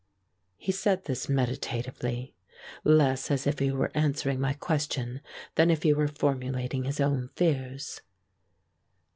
He said this meditatively, less as if he were answering my question than if he were formulating his own fears.